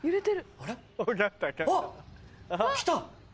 あっ来た。